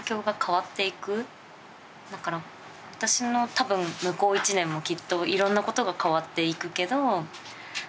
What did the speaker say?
だから私の多分向こう１年もきっといろんなことが変わっていくけどま